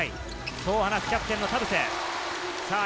そう話すキャプテンの田臥。